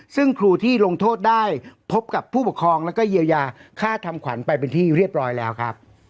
ซึ่งครูที่ลงโทษได้พบกับผู้ปกครองแล้วก็เยียวยาค่าทำขวัญไปเป็นที่เรียบร้อยแล้วครับ